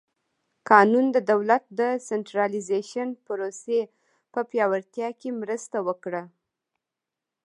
قانون د دولت د سنټرالیزېشن پروسې په پیاوړتیا کې مرسته وکړه.